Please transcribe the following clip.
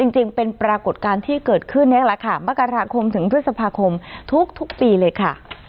จริงเป็นปรากฏการณ์ที่เกิดขึ้นนี่แหละค่ะมกราคมถึงพฤษภาคมทุกปีเลยค่ะ